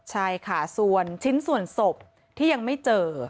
ใช่ค่ะส่วนชิ้นส่วนศพที่ยังไม่เจอ